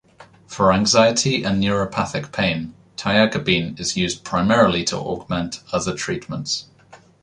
For anxiety and neuropathic pain, tiagabine is used primarily to augment other treatments.